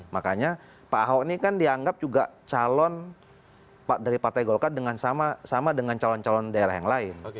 makanya pak ahok ini kan dianggap juga calon dari partai golkar sama dengan calon calon daerah yang lain